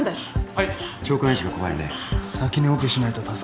はい！